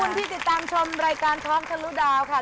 คุณที่ติดตามชมรายการท้องทะลุดาวค่ะ